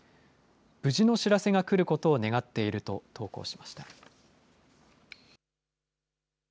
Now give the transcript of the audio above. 無事の知らせが来ることを願っていると投稿しました。